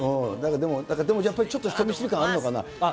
でもやっぱりちょっと人見知り感あるのかな。